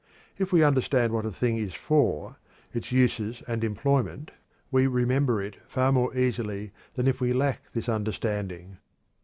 If we understand what a thing is for, its uses and employment, we remember it far more easily than if we lack this understanding.